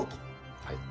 はい。